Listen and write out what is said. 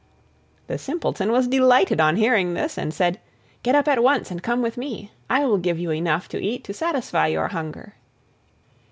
The Simpleton was delighted on hearing this, and said: "Get up at once and come with me. I will give you enough to eat to satisfy your hunger."